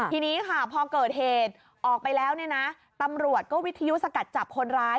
ทีนี้ค่ะพอเกิดเหตุออกไปแล้วเนี่ยนะตำรวจก็วิทยุสกัดจับคนร้าย